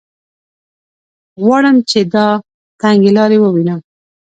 غواړم چې دا تنګې لارې ووینم.